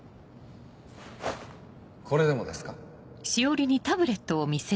これでもですか？